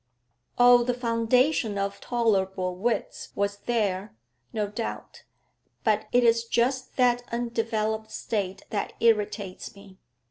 'Oh, the foundation of tolerable wits was there, no doubt; but it is just that undeveloped state that irritates me.